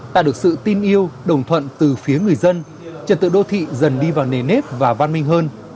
tạo được sự tin yêu đồng thuận từ phía người dân trật tự đô thị dần đi vào nề nếp và văn minh hơn